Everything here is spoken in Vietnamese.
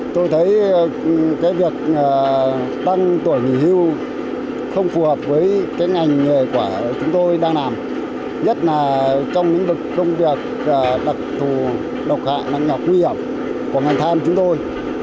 tôi thấy việc tăng tuổi nghỉ hưu không phù hợp với ngành nghề của chúng tôi đang làm nhất là trong những công việc đặc thù độc hạ nặng nhọc nguy hiểm của ngành than chúng tôi